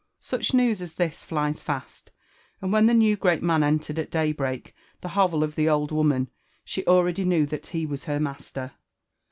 Soeh news as this flies fast ; and when the new great inan entered at daybreak the hovel of the old woman, she already knew that ka was her master.